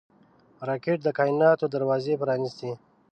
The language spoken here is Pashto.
راکټ د کائناتو دروازې پرانېستي